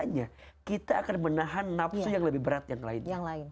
makanya kita akan menahan nafsu yang lebih berat yang lain